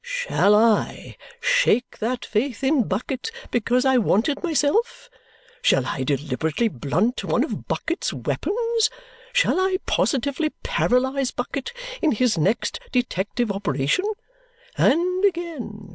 Shall I shake that faith in Bucket because I want it myself; shall I deliberately blunt one of Bucket's weapons; shall I positively paralyse Bucket in his next detective operation? And again.